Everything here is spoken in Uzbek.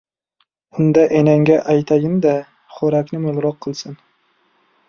— Unda, enangga aytayin-da, xo‘rakni mo‘lroq qilsin?